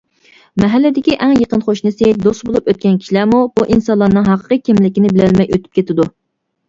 مەھەللىدىكى ئەڭ يېقىن قوشنىسى، دوست بولۇپ ئۆتكەن كىشىلەرمۇ بۇ ئىنسانلارنىڭ ھەقىقىي كىملىكىنى بىلەلمەي ئۆتۈپ كېتىدۇ.